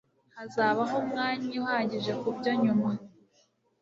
Hazabaho umwanya uhagije kubyo nyuma